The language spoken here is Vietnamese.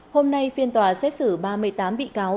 hôm nay phiên tòa xét xử ba mươi tám bị cáo